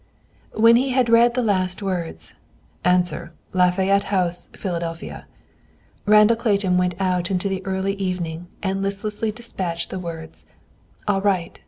When he had read the last words, "Answer, Lafayette House, Philadelphia," Randall Clayton went out into the early evening and listlessly dispatched the words, "All right.